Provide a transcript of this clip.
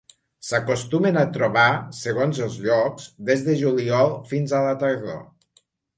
S'acostumen a trobar, segons els llocs, des de juliol fins a la tardor.